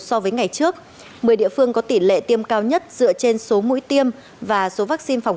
so với ngày trước một mươi địa phương có tỷ lệ tiêm cao nhất dựa trên số mũi tiêm và số vaccine phòng